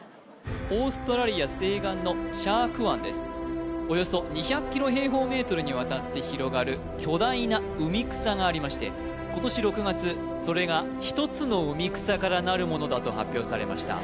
オーストラリア西岸のシャーク湾ですおよそ２００キロ平方メートルにわたって広がる巨大な海草がありまして今年６月それが１つの海草からなるものだと発表されました